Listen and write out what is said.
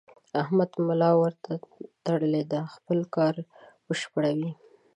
احمد ملا ورته تړلې ده؛ خپل کار بشپړوي.